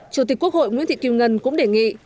chủ tịch quốc hội nguyễn thị kim ngân cũng đề nghị